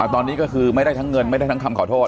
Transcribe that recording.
ตอนนี้ก็คือไม่ได้ทั้งเงินไม่ได้ทั้งคำขอโทษ